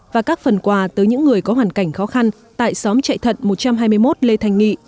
và các phần quà tới những người có hoàn cảnh khó khăn tại xóm chạy thận một trăm hai mươi một lê thành nghị